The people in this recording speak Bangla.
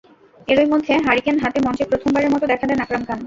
এরই মধ্যে হারিকেন হাতে মঞ্চে প্রথমবারের মতো দেখা দেন আকরাম খান।